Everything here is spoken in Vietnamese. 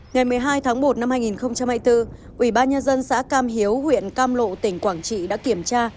ngày một mươi hai tháng một năm hai nghìn hai mươi bốn ubnd xã cam hiếu huyện cam lộ tỉnh quảng trị đã kiểm tra